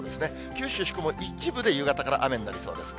九州、四国の一部で夕方から雨になりそうです。